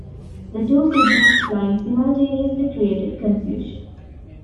The two signals flying simultaneously created confusion.